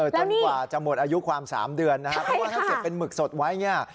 จนกว่าจะหมดอายุความ๓เดือนนะครับเพราะว่าถ้าเก็บเป็นหมึกสดไว้เนี่ย